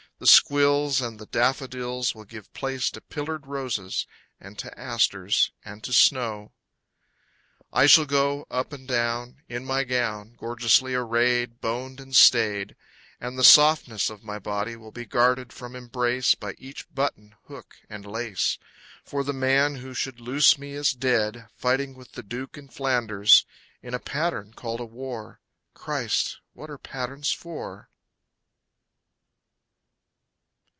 The squills and the daffodils Will give place to pillared roses, and to asters, and to snow. I shall go Up and down, In my gown. Gorgeously arrayed, Boned and stayed. And the softness of my body will be guarded from embrace By each button, hook and lace. For the man who should loose me is dead, Fighting with the Duke in Flanders, In a pattern called a war. Christ! What are patterns for?